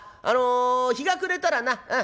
あの日が暮れたらな